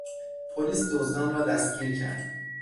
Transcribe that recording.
پلیس دزدان را دستگیر کرد.